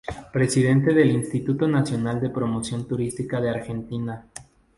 Presidente del Instituto Nacional de Promoción Turística de Argentina.